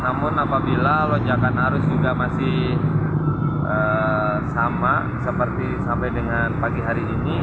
namun apabila lonjakan arus juga masih sama seperti sampai dengan pagi hari ini